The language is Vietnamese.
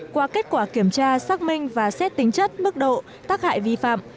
qua kết quả kiểm tra xác minh và xét tính chất mức độ tác hại vi phạm